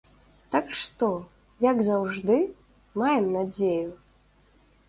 Так што, як заўжды, маем надзею.